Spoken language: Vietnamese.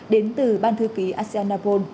đến từ ban thư ký asean napron